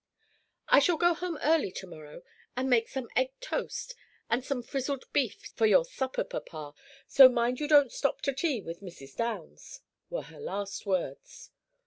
"I shall go home early to morrow, and make some egg toast and some frizzled beef for your supper, papa, so mind you don't stop to tea with Mrs. Downs," were her last words.